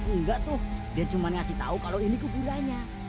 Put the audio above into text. enggak tuh dia cuman ngasih tau kalo ini kuburannya